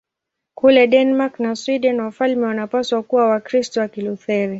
Kule Denmark na Sweden wafalme wanapaswa kuwa Wakristo wa Kilutheri.